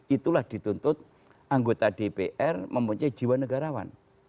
itulah dituntut anggota dpr mempunyai jiwa negarawan